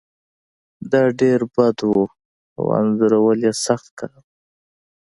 دا ډیر بد و او انځورول یې سخت کار و